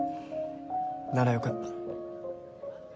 ならよかった。